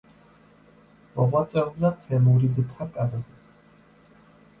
მოღვაწეობდა თემურიდთა კარზე.